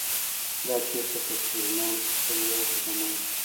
دا پیښه په سورینام کې شوې وه خو زه نه وم